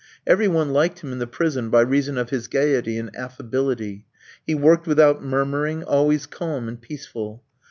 Every one liked him in the prison by reason of his gaiety and affability. He worked without murmuring, always calm and peaceful.